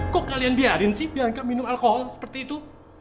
kenapa kalian biarkan bianca minum alkohol seperti itu